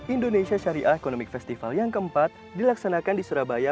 indonesia syariah economic festival yang keempat dilaksanakan di surabaya